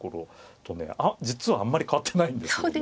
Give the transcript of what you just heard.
実はあんまり変わってないんですよね。